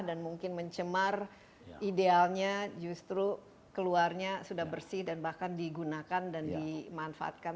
dan mungkin mencemar idealnya justru keluarnya sudah bersih dan bahkan digunakan dan dimanfaatkan